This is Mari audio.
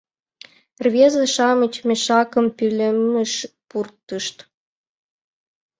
Рвезе-шамыч мешакым пӧлемыш пуртышт.